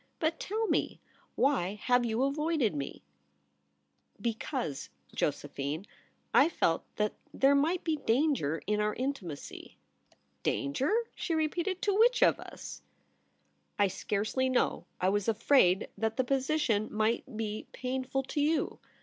But tell me, why have you avoided me ?'* Because, Josephine, I felt that there might be danger in our intimacy.' * Danger !' she repeated ;* to which of us ?'* I scarcely know. I was afraid that the position might be painful to you.